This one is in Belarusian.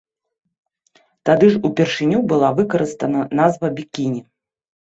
Тады ж упершыню была выкарыстана назва бікіні.